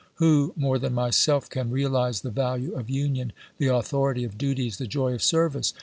Who, more than myself, can realise the value of union, the authority of duties, the joy of service